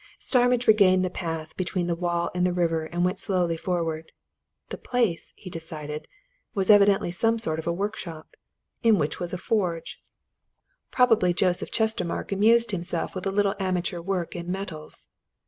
Starmidge regained the path between the wall and the river and went slowly forward. The place, he decided, was evidently some sort of a workshop, in which was a forge: probably Joseph Chestermarke amused himself with a little amateur work in metals.